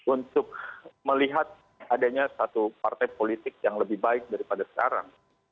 untuk melihat adanya satu partai politik yang lebih baik daripada sekarang